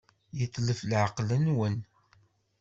Yetlef leɛqel-nwen.